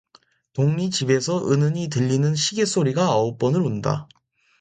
동리 집에서 은은히 들리는 시계 소리가 아홉 번을 운다.